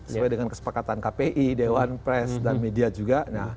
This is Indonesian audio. sesuai dengan kesepakatan kpi dewan pres dan media juga